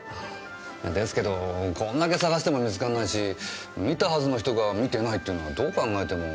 ですけどこれだけ捜しても見つからないし見たはずの人が見てないっていうのはどう考えても。